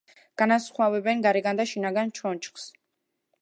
განასხვავებენ გარეგან და შინაგან ჩონჩხს.